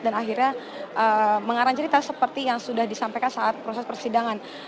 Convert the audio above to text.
dan akhirnya mengarang cerita seperti yang sudah disampaikan saat proses persidangan